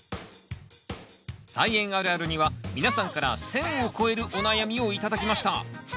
「菜園あるある」には皆さんから１，０００を超えるお悩みを頂きました。